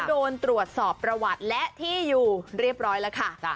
โดนตรวจสอบประวัติและที่อยู่เรียบร้อยแล้วค่ะ